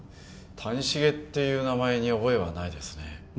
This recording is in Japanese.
谷繁っていう名前に覚えはないですね